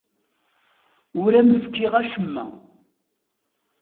Ur am-fkiɣ acemma.